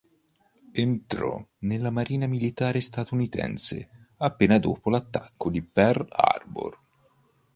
Entrò nella Marina Militare statunitense appena dopo l'attacco di Pearl Harbor.